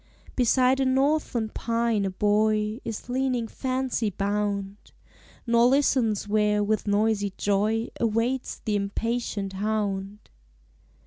Beside a northern pine a boy Is leaning fancy bound. Nor listens where with noisy joy Awaits the impatient hound.